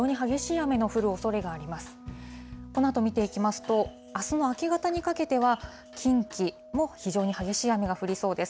このあと見ていきますと、あすの明け方にかけては、近畿も非常に激しい雨が降りそうです。